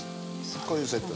こういうセット。